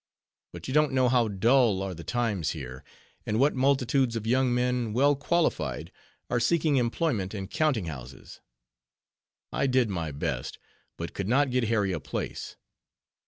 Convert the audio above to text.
But you don't know how dull are the times here, and what multitudes of young men, well qualified, are seeking employment in counting houses. I did my best; but could not get Harry a place.